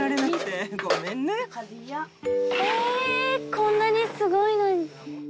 こんなにすごいのに。